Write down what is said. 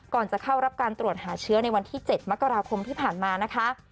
จะเข้ารับการตรวจหาเชื้อในวันที่๗มกราคมที่ผ่านมานะคะ